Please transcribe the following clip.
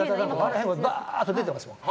バーっと出てますよね。